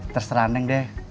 terserah neng deh